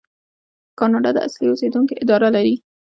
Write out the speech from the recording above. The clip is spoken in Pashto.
کاناډا د اصلي اوسیدونکو اداره لري.